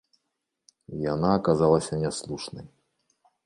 І яна аказалася няслушнай.